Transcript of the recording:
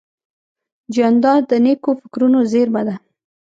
جانداد د نیکو فکرونو زېرمه ده.